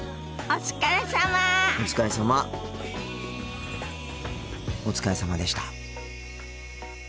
お疲れさまでした。